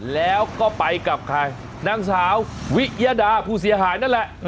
แล้วก็ไปกับใครนางสาววิยดาผู้เสียหายนั่นแหละ